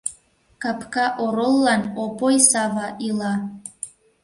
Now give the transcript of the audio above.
Капка ороллан Опой Сава ила.